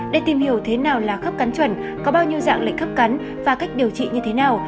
để tìm hiểu thế nào là khớp cắn chuẩn có bao nhiêu dạng lệnh khấp cắn và cách điều trị như thế nào